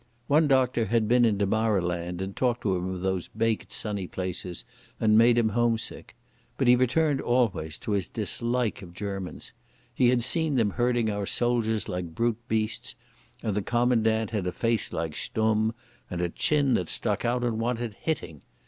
One doctor had been in Damaraland and talked to him of those baked sunny places and made him homesick. But he returned always to his dislike of Germans. He had seen them herding our soldiers like brute beasts, and the commandant had a face like Stumm and a chin that stuck out and wanted hitting.